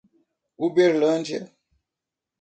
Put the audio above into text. Uberlândia